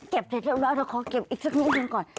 เก็บเสร็จเรียบร้อยแล้วขอเก็บอีกสักนิดนึงก่อน